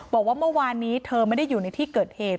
บอกว่าเมื่อวานนี้เธอไม่ได้อยู่ในที่เกิดเหตุ